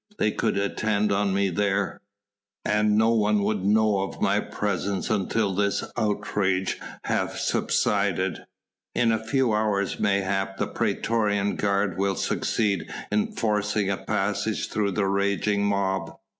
they could attend on me there, and no one would know of my presence until this outrage hath subsided.... In a few hours mayhap the praetorian guard will succeed in forcing a passage through the raging mob